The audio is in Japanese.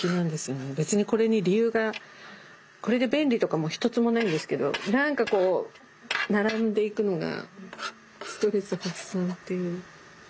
別にこれに理由がこれで便利とかも一つもないんですけど何かこう並んでいくのがストレス発散っていう。